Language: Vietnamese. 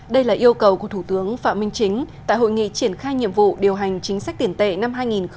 đây là yêu cầu của thủ tướng phạm minh chính tại hội nghị triển khai nhiệm vụ điều hành chính sách tiền tệ năm hai nghìn hai mươi